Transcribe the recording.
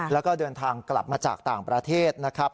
แล้วก็เดินทางกลับมาจากต่างประเทศนะครับ